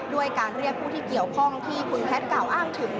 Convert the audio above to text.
ด้วยการเรียกผู้ที่เกี่ยวข้องที่คุณแพทย์กล่าวอ้างถึง